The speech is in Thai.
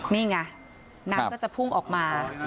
นี่ไงครับน้ำจะพุ่งออกมา